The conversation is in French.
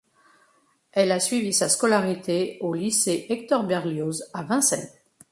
Elle a suivi sa scolarité au lycée Hector Berlioz à Vincennes.